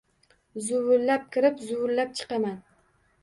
Zuvillab kirib, zuvillab chiqaman